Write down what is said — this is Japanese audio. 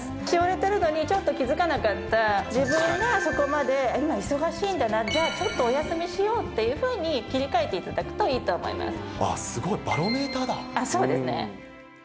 しおれてるのに、ちょっと気付かなかった自分がそこまで今、忙しいんだな、じゃあちょっとお休みしようっていうふうに切り替えていただくとすごい、そうですね。